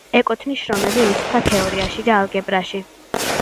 ეკუთვნის შრომები რიცხვთა თეორიაში და ალგებრაში.